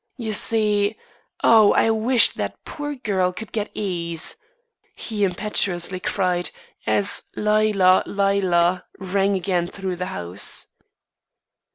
You see O, I wish that poor girl could get ease!" he impetuously cried, as "Lila! Lila!" rang again through the house.